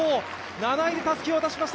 ７位でたすきを渡しました。